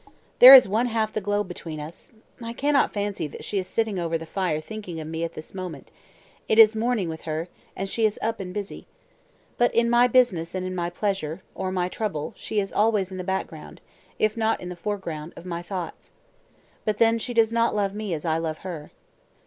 There is one half the globe between us. I cannot fancy that she is sitting over the fire thinking of me at this moment; it is morning with her; and she is up and busy. But in my business, and in my pleasure, or my trouble, she is always in the background if not in the foreground of my thoughts. But then she does not love me as I love her."